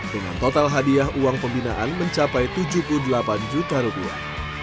dengan total hadiah uang pembinaan mencapai tujuh puluh delapan juta rupiah